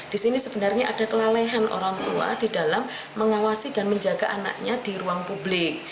di sini sebenarnya ada kelalehan orang tua di dalam mengawasi dan menjaga anaknya di ruang publik